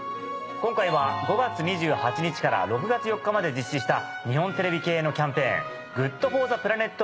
今回は５月２８日から６月４日まで実施した日本テレビ系のキャンペーンＧｏｏｄＦｏｒｔｈｅＰｌａｎｅｔ